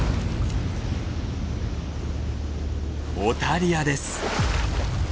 オタリアです。